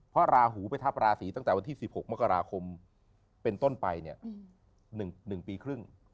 เพราะราหูไปทับราศีตั้งแต่วันที่๑๖มกราคมเป็นต้นไปเนี่ย๑ปีครึ่ง